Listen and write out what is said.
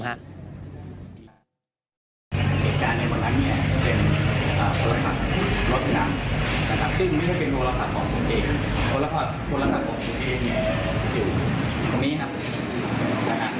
เหตุการณ์ในบรรณะนี้เต็มเป็นรถขับรถนำ